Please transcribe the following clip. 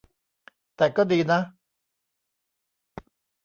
แต่ก็ดีนะ